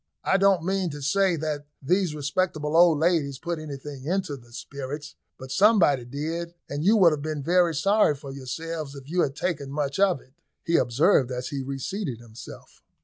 "I don't mean to say that these respectable old ladies put anything into the spirits, but somebody did, and you would have been very sorry for yourselves if you had taken much of it," he observed, as he reseated himself.